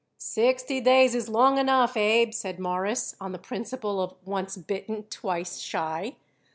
"Sixty days is long enough, Abe," said Morris, on the principle of "once bitten, twice shy."